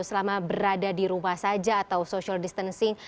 selama berada di rumah saja atau social distancing